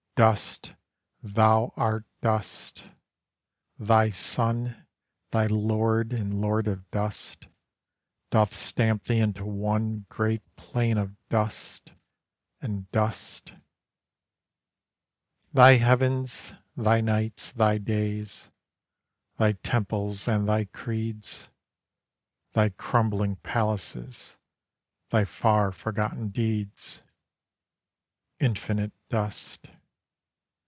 Dust—thou art dust. Thy Sun, Thy lord, and lord of dust, Doth stamp thee into one Great plain of dust; and dust Thy heav'ns, thy nights, thy days; Thy temples and thy creeds; Thy crumbling palaces; Thy far forgotten deeds,— Infinite dust.